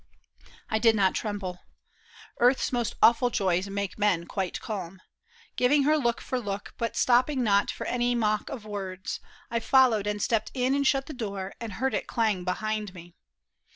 I did not tremble. Earth's most awful joys Make men quite calm. Giving her look for look, But stopping not for any mock of words, I followed and stepped in and shut the door, And heard it clang behind me.